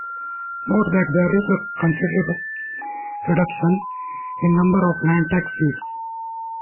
Note that there is a considerable reduction in the number of Landtag seats.